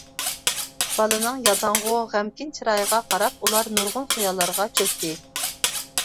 بالىنىڭ ياداڭغۇ، غەمكىن چىرايىغا قاراپ ئۇلار نۇرغۇن خىياللارغا چۆكتى.